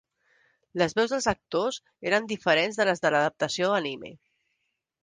Les veus dels actors eren diferents de les de l'adaptació anime.